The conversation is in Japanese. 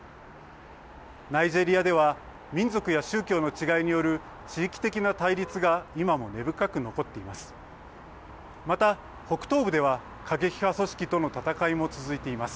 ナイジェリアでは民族や宗教の違いによる地域的な対立が今も根深く残っています。